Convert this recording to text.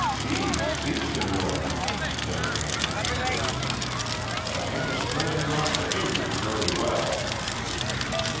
"Si, si, señor," stammered the man who faced him. "But I understand not the English very well."